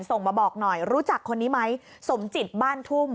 ส่งมาบอกหน่อยรู้จักคนนี้ไหมสมจิตบ้านทุ่ม